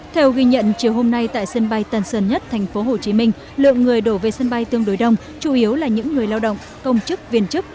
theo ghi nhận chiều hôm nay tại sân bay tân sơn nhất thành phố hồ chí minh lượng người đổ về sân bay tương đối đông chủ yếu là những người lao động công chức viên chức